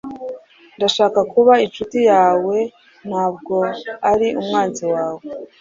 Ndashaka kuba inshuti yawe, ntabwo ari umwanzi wawe.